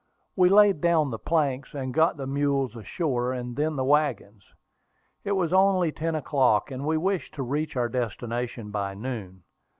We laid down the planks, and got the mules ashore, and then the wagons. It was only ten o'clock, and we wished to reach our destination by noon.